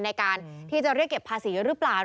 ในการที่จะเรียกเก็บภาษีหรือเปล่า